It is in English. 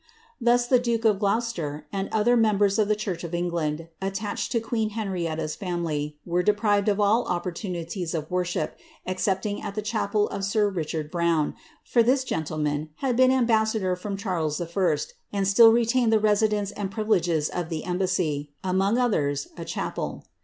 Thus the duke of Gloucester, and other members of the church of Inglaml attached to queen Henrietta's family, were deprived of all pportunities of worship, excepting at the chapel of sir Richard Browne,' >r this gentleman had been ambassador from Charles I., and still re lined the residence and privileges of the embassy — among others, a liapel.